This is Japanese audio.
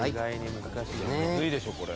むずいでしょこれ。